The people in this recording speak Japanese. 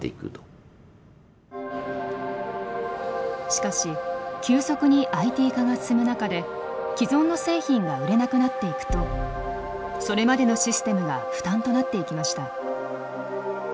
しかし急速にＩＴ化が進む中で既存の製品が売れなくなっていくとそれまでのシステムが負担となっていきました。